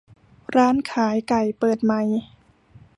ร้านขายไก่เปิดใหม่